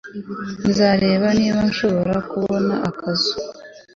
Nzareba niba nshobora kubona akazu